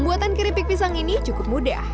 pembuatan keripik pisang ini cukup mudah